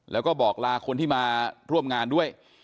แล้วก็บอกลาคนที่มาร่วมงานด้วย